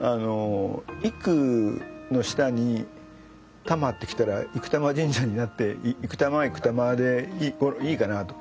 「いく」の下に「たま」って来たら生國魂神社になっていくたまいくたまでいいかなと。